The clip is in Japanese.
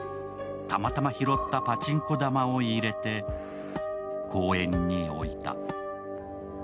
たまたま拾ったパチンコ玉を入れて公園に置いた。